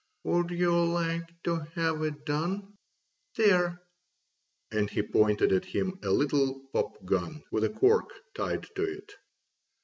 "Would "oo like to have a dun? There!" and he pointed at him a little pop gun with a cork tied to it.